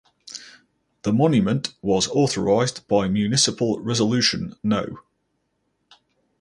The monument was authorized by municipal resolution no.